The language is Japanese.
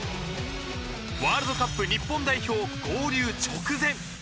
ワールドカップ日本代表合流直前。